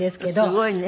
すごいね。